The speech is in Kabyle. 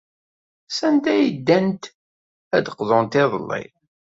Sanda ay ddant ad d-qḍunt iḍelli?